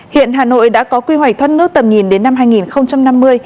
hiện hà nội đã có quy hoạch thoát nước tầm nhìn đến năm hai nghìn năm mươi